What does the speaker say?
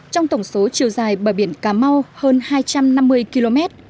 trong tổng số chiều dài bờ biển cà mau hơn hai trăm năm mươi km